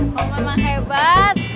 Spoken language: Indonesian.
kamu memang hebat